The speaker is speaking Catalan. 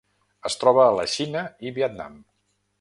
Es troba a la Xina i Vietnam.